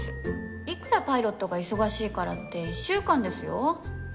いくらパイロットが忙しいからって１週間ですよ。